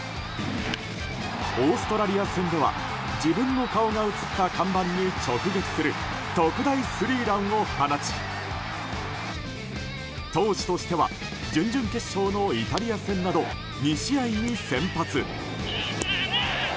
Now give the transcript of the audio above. オーストラリア戦では自分の顔が映った看板に直撃する特大スリーランを放ち投手としては準々決勝のイタリア戦など２試合に先発。